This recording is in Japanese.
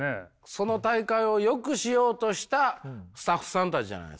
その大会をよくしようとしたスタッフさんたちじゃないですか？